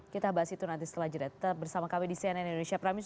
kita bahas itu nanti setelah jeda tetap bersama kami di cnn indonesia prime news